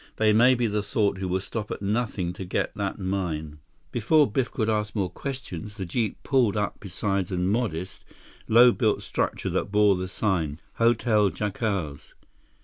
They may be the sort who will stop at nothing to get that mine!" Before Biff could ask more questions, the jeep pulled up beside a modest, low built structure that bore the sign: HOTEL JACARES.